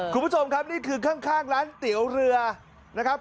คุณผู้ชมครับนี่คือข้างร้านเตี๋ยวเรือนะครับ